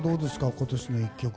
今年の１曲。